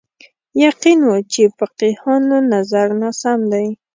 یقین و چې فقیهانو نظر ناسم دی